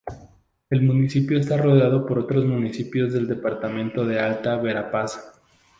El municipio está rodeado por otros municipios del departamento de Alta Verapaz:.